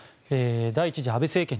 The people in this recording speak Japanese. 第１次安倍政権